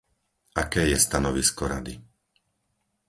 Aké je stanovisko Rady?